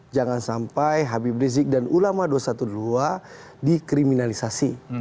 jangan sampai habib rizik dan ulama dua ratus dua belas dikriminalisasi